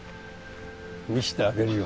見してあげるよ